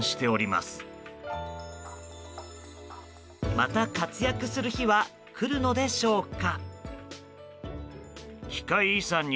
また活躍する日は来るのでしょうか。